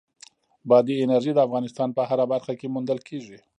بادي انرژي د افغانستان په هره برخه کې موندل کېږي.